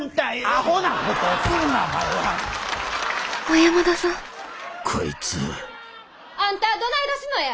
小山田さんこいつあんたはどないだすのや。